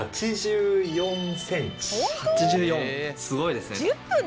８４すごいですね。